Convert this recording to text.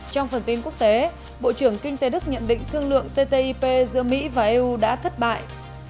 trong phần tin quốc tế bộ trưởng kinh tế đức nhận định thương lượng ttip giữa mỹ và eu đã thất bại